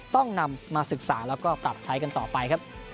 ต้องนำมาศึกษาและปรับใช้กันต่อไป